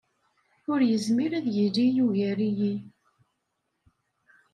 Ur yezmir ad yili yugar-iyi.